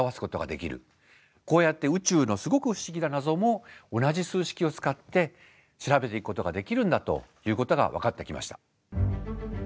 こうやって宇宙のすごく不思議な謎も同じ数式を使って調べていくことができるんだということが分かってきました。